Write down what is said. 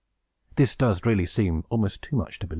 This does really seem almost too much to believe.